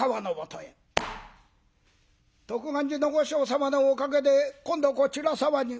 「徳願寺の和尚様のおかげで今度はこちら様に」。